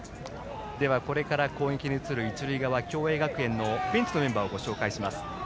これから攻撃に移る一塁側、共栄学園のベンチのメンバーをご紹介します。